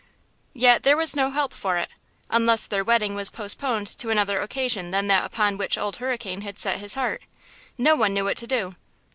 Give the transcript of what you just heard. Yet there was no help for it, unless their wedding was postponed to another occasion than that upon which Old Hurricane had set his heart. No one knew what to do.